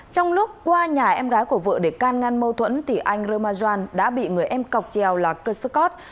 trong lúc qua nhà em gái của vợ để can ngăn mâu thuẫn anh rơ ma doan đã bị người em cọc trèo là cơ sơ cót